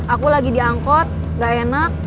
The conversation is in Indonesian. aku lagi di angkot gak enak